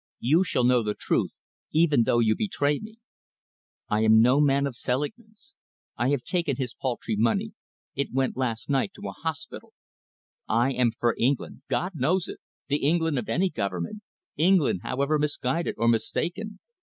You shall know the truth, even though you betray me. I am no man of Selingman's. I have taken his paltry money it went last night to a hospital. I am for England God knows it! the England of any government, England, however misguided or mistaken.